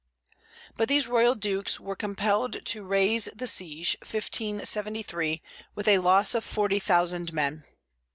But these royal dukes were compelled to raise the siege, 1573, with a loss of forty thousand men.